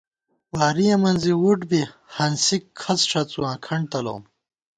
ورِیَہ مِنزی وُٹ بی ہنسِک کھڅ ݭَڅُواں کھنٹ تلَوُم